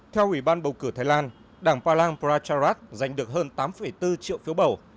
theo ủy ban bầu cử thái lan đảng palang pracharat giành được hơn tám bốn triệu phiếu bầu